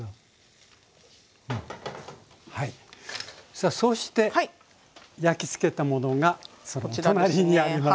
さあそうして焼きつけたものがそのお隣にあります。